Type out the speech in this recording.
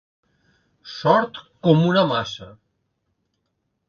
Sord com una maça.